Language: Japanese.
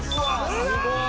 すごい。